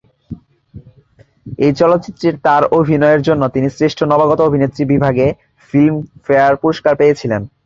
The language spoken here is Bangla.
এই চলচ্চিত্রের তাঁর অভিনয়ের জন্য তিনি শ্রেষ্ঠ নবাগত অভিনেত্রী বিভাগে ফিল্মফেয়ার পুরস্কার পেয়ে ছিলেন।